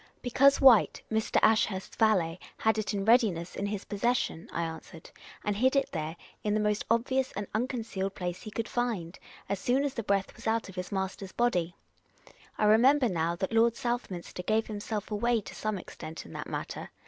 " Be cause White, Mr. Ashurst's valet, had it in readiness in his possession," I answered, " and hid it there, in the most obvious and unconcealed place he could find, as soon as the breath was out of his master's body. I remember now that lyord Southminster gave himself away to some extent in that matter.